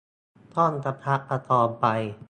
ต้องประคับประคองไป